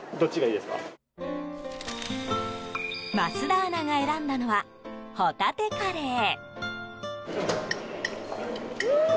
桝田アナが選んだのは帆立カレー。